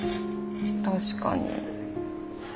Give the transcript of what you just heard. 確かに。